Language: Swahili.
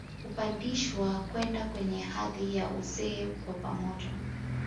Hupandishwa kwenda kwenye hadhi ya uzee kwa pamoja